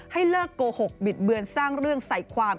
ให้เลิกโกหกบิดเบือนสร้างเรื่องใส่ความ